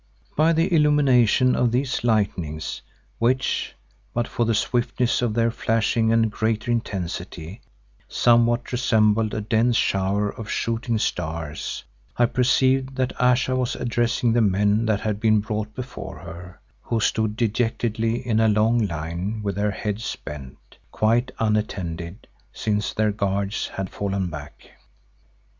By the illumination of these lightnings which, but for the swiftness of their flashing and greater intensity, somewhat resembled a dense shower of shooting stars, I perceived that Ayesha was addressing the men that had been brought before her, who stood dejectedly in a long line with their heads bent, quite unattended, since their guards had fallen back.